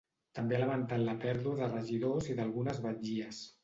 També ha lamentat la pèrdua de regidors i d’algunes batllies.